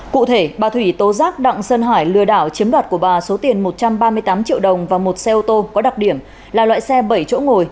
cụ thể bà thủy tố giác đặng sơn hải lừa đảo chiếm đoạt của bà số tiền một trăm ba mươi tám triệu đồng và một xe ô tô có đặc điểm là loại xe bảy chỗ ngồi